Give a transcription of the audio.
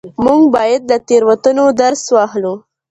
موږ بايد له تېروتنو درس واخلو.